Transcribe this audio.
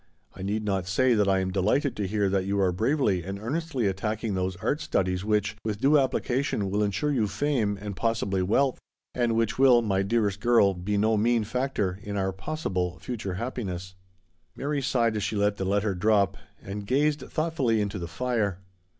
I need not say that I am delighted to heai 4 that you are bravely and earnestly attacking those art studies, which, with due application, will ensure your fame, and possibly wealth, and which will, my dearest girl, be no mean factor in %ur (pos sible) future happiness." Mary sighed as she let the letter drop, and gazed thoughtfully into the fire.